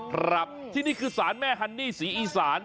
ครับที่นี่คือสารแม่ฮันนี่ศรีอีสาน